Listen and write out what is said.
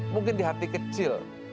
mungkin di hati kecil